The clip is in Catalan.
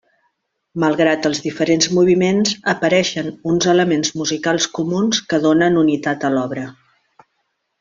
Malgrat els diferents moviments, apareixen uns elements musicals comuns que donen unitat a l'obra.